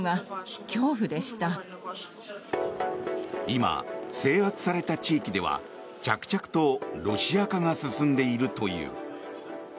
今、制圧された地域では着々とロシア化が進んでいるという。